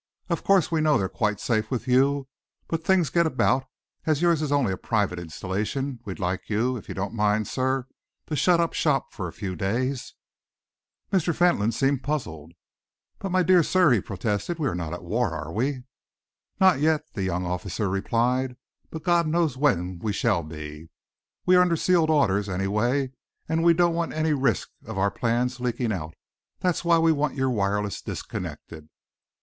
Of course, we know they're quite safe with you, but things get about. As yours is only a private installation, we'd like you, if you don't mind, sir, to shut up shop for a few days." Mr. Fentolin seemed puzzled. "But, my dear sir," he protested, "we are not at war, are we?" "Not yet," the young officer replied, "but God knows when we shall be! We are under sealed orders, anyway, and we don't want any risk of our plans leaking out. That's why we want your wireless disconnected."